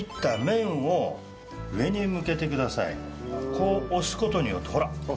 こう押す事によってほら。